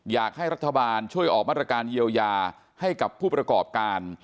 อยากให้รัฐบาลช่วยออกมาตรการเยียวยาให้กับผู้ประกอบการ